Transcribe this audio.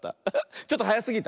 ちょっとはやすぎた？